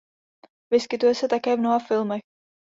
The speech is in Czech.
Vyskytuje se také v mnoha filmech.